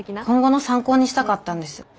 今後の参考にしたかったんです。